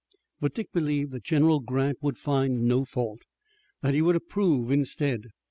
But Dick believed that General Grant would find no fault, that he would approve instead.